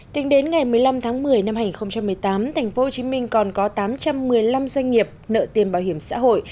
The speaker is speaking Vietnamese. tính đến ngày một mươi năm tháng một mươi năm hai nghìn một mươi tám thành phố hồ chí minh còn có tám trăm một mươi năm doanh nghiệp nợ tiền bảo hiểm xã hội